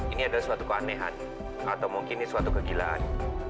ini adalah suatu keanehan atau mungkin ini suatu kegilaan